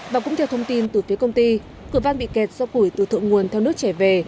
và cũng theo thông tin từ phía công ty cửa van bị kẹt do củi từ thượng nguồn theo nước chảy về